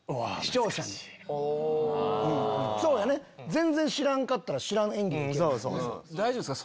全然知らんかったら知らん演技ができる。